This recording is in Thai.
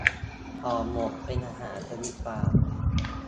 ห่อหมก เป็นอาหารชนิดปลา